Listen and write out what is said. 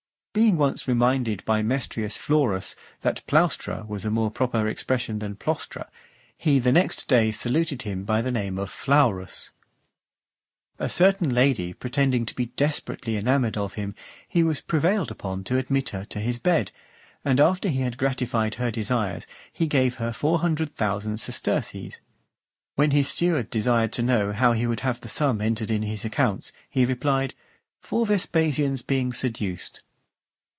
Being once reminded by Mestrius Florus, that plaustra was a more proper expression than plostra, he the next day saluted him by the name of Flaurus . A certain lady pretending to be desperately enamoured of him, he was prevailed upon to admit her to his bed; and after he had gratified her desires, he gave her four hundred (460) thousand sesterces. When his steward desired to know how he would have the sum entered in his accounts, he replied, "For Vespasian's being seduced."